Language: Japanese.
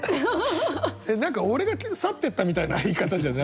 えっ何か俺が去ってったみたいな言い方じゃん。